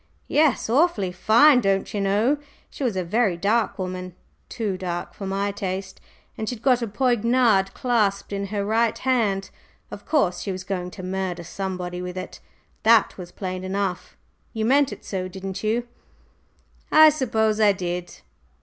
"Yes, awfully fine, don'cher know! She was a very dark woman too dark for my taste, and she'd got a poignard clasped in her right hand. Of course, she was going to murder somebody with it; that was plain enough. You meant it so, didn't you?" "I suppose I did."